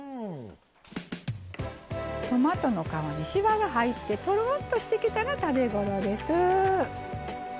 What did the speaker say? トマトの皮にしわが入ってとろっとしてきたら食べ頃です。